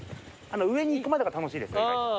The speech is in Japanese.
上に行くまでが楽しいです。